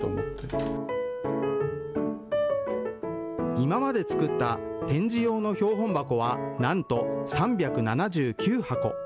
今まで作った展示用の標本箱はなんと３７９箱。